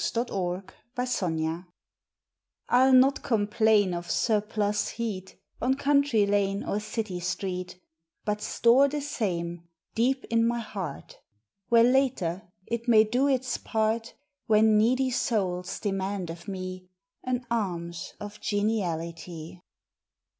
July Fifth THE EXCESS I LL not complain of surplus heat On country lane or city street, But store the same deep in my heart Where later it may do its part When needy souls demand of me An alms of geniality.